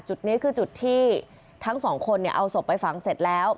จุดนี้คือจุดที่ทั้งสองคนเอาศพไปฝังเสร็จแล้ว